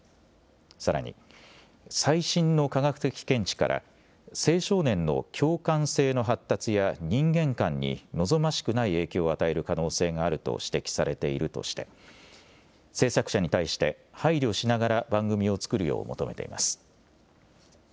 さらに、最新の科学的見地から青少年の共感性の発達や人間観に望ましくない影響を与える可能性があると指摘されているとして制作者に対して配慮しながら番組を作るよう求めています。